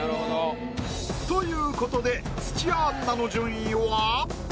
ということで土屋アンナの順位は。